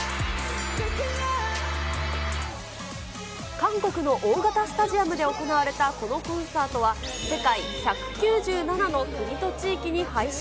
韓国の大型スタジアムで行われたこのコンサートは、世界１９７の国と地域に配信。